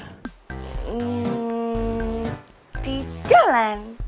hmmmm di jalan